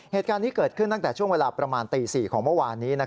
เหตุการณ์นี้เกิดขึ้นตั้งแต่ช่วงเวลาประมาณตี๔ของเมื่อวานนี้